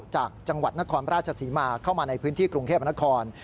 จากจังหวัดนครราชศรีมาเข้ามาในพื้นที่กรุงเทพนคร